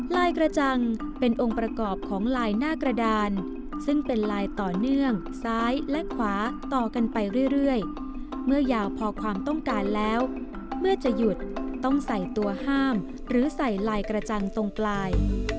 ลายกระจังเป็นองค์ประกอบของลายหน้ากระดานซึ่งเป็นลายต่อเนื่องซ้ายและขวาต่อกันไปเรื่อยเมื่อยาวพอความต้องการแล้วเมื่อจะหยุดต้องใส่ตัวห้ามหรือใส่ลายกระจังตรงปลาย